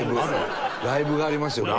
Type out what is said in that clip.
ライブがありますよこれ。